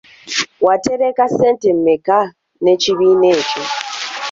Watereka ssente mmeka n'ekibiina ekyo?